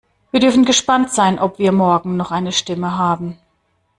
Wir dürfen gespannt sein, ob wir morgen noch eine Stimme haben.